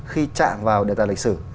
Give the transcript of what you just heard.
khi chạm vào đề tài lịch sử